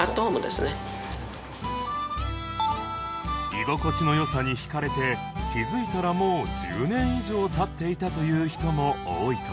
居心地の良さに引かれて気づいたらもう１０年以上経っていたという人も多いという